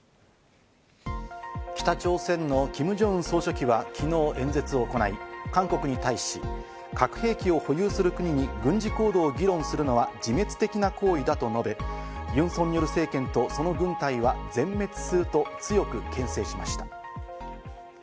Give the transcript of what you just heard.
北朝鮮のキム・ジョンウン総書記は昨日演説を行い、韓国に対し、核兵器を保有する国に軍事行動を議論するのは自滅的な行為だと述べ、ユン・ソンニョル政権とその軍隊は全滅すると強く牽制しました。